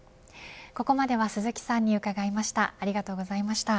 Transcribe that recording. ここまでは鈴木さんに伺いました。